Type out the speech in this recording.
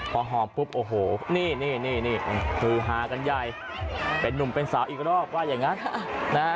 พอหอมปุ๊บโอ้โหนี่นี่คือฮากันใหญ่เป็นนุ่มเป็นสาวอีกรอบว่าอย่างนั้นนะฮะ